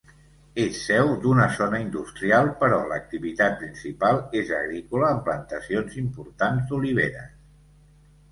És seu d'una zona industrial, però l'activitat principal és agrícola amb plantacions importants d'oliveres.